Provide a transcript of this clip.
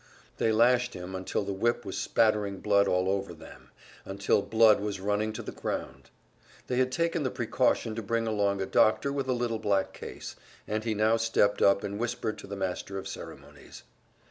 They lashed him until the whip was spattering blood all over them, until blood was running to the ground. They had taken the precaution to bring along a doctor with a little black case, and he now stepped up and whispered to the master of ceremonies.